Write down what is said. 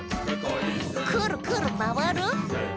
「くるくるまわる！」